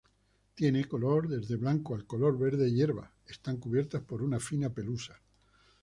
Tienen color desde blanco al color verde hierba, están cubiertas por una fina pelusa.